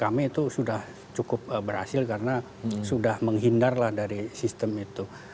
kami itu sudah cukup berhasil karena sudah menghindarlah dari sistem itu